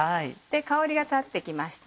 香りが立って来ました。